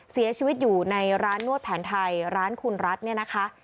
เสียชีวิตอยู่ในร้านนวดแผนไทยร้านคุณรัฐเนี่ยนะคะ